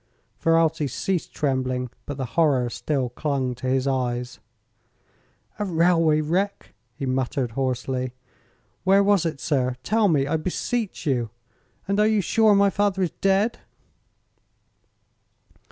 Ferralti ceased trembling, but the horror still clung to his eyes. "A railway wreck!" he muttered, hoarsely. "Where was it, sir? Tell me, I beseech you! And are you sure my father is dead?"